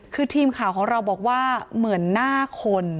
คือทีมข่าวของเราบอกว่าเหมือนหน้าคน